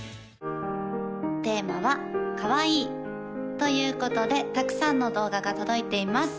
テーマは「カワイイ」ということでたくさんの動画が届いています